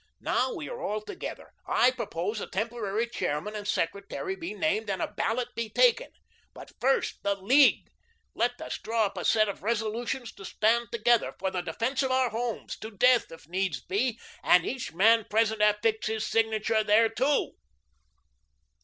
Now we are all together. I propose a temporary chairman and secretary be named and a ballot be taken. But first the League. Let us draw up a set of resolutions to stand together, for the defence of our homes, to death, if needs be, and each man present affix his signature thereto."